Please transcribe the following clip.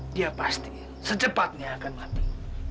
dia pasti secepatnya akan mati